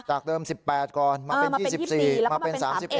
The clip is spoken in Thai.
จากเดิม๑๘ก่อนมาเป็น๒๔มาเป็น๓๑